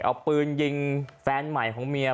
เอาปืนยิงแฟนใหม่ของเมีย